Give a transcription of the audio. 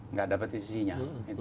nggak dapat isinya